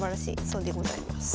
そうでございます。